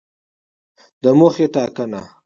د موخې ټاکنه